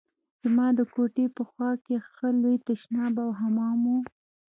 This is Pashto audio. زما د کوټې په خوا کښې ښه لوى تشناب او حمام و.